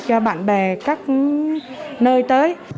cho bạn bè các nơi tới